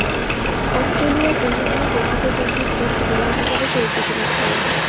অস্ট্রেলিয়ার অন্যতম প্রথিতযশা test bowler হিসেবে পরিচিতি লাভ করেন।